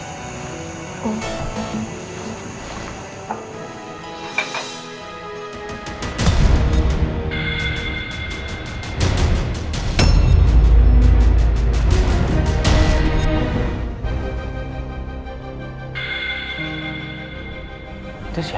itu siapa ya